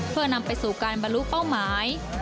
เพื่อนำไปสู่การบรรลุเป้าหมาย